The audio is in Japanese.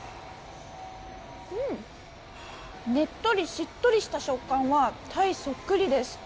ねっとり、しっとりした食感はタイそっくりです。